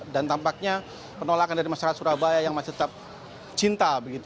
dan tampaknya penolakan dari masyarakat surabaya yang masih tetap cinta